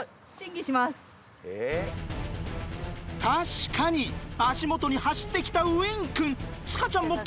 確かに足元に走ってきたウィンくん。